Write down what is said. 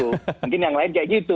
mungkin yang lain kayak gitu